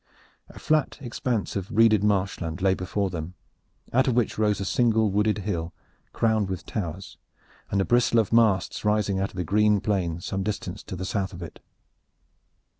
A flat expanse of reeded marshland lay before them, out of which rose a single wooded hill, crowned with towers, with a bristle of masts rising out of the green plain some distance to the south of it.